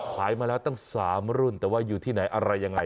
มาแล้วตั้ง๓รุ่นแต่ว่าอยู่ที่ไหนอะไรยังไง